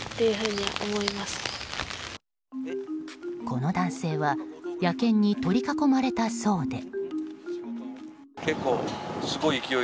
この男性は野犬に取り囲まれたそうで。